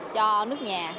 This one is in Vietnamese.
cho nước nhà